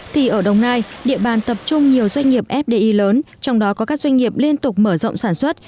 thì ở đồng nai địa bàn tập trung nhiều doanh nghiệp fdi lớn trong đó có các doanh nghiệp liên tục mở rộng sản xuất